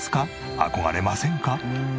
憧れませんか？